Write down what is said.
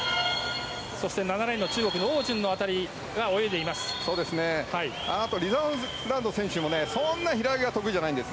そして７レーンの中国のオウ・ジュン選手が泳いでいます。